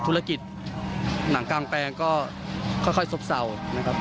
ธุรกิจหนังกางแปลงก็ค่อยซบเศร้านะครับ